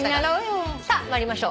さあ参りましょう。